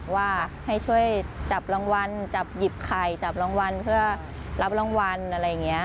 ว่าให้ช่วยจับรางวัลจับหยิบไข่จับรางวัลเพื่อรับรางวัลอะไรอย่างนี้